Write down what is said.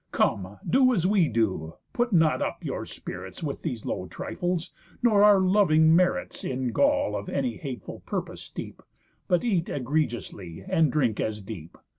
Come, do as we do, put not up your spirits With these low trifles, nor our loving merits In gall of any hateful purpose steep, But eat egregiously, and drink as deep.